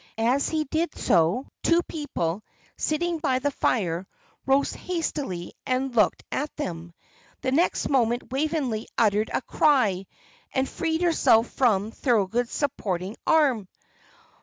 As he did so, two people, sitting by the fire, rose hastily and looked at them. The next moment Waveney uttered a cry and freed herself from Thorold's supporting arm.